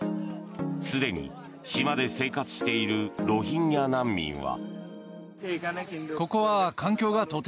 すでに島で生活しているロヒンギャ難民は。